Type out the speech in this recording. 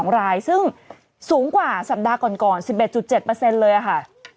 ๒รายซึ่งสูงกว่าสัปดาห์ก่อน๑๑๗เลยค่ะ